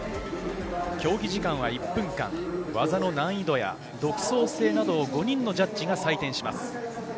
競技時間は１分間、技の難易度や独創性などを５人のジャッジが採点します。